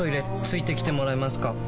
付いてきてもらえますか？